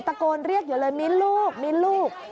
ตะโกนเรียกอยู่เลยมิ้นลูก